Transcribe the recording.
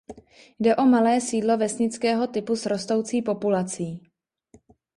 Jde o malé sídlo vesnického typu s rostoucí populací.